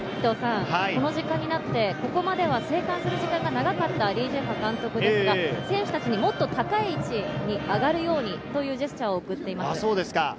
この時間になってここまでは静観する時間が長かった李済華監督ですが、選手たちにもっと高い位置に上がるようにというジェスチャーを送っています。